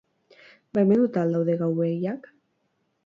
Baimenduta al daude gaubeilak?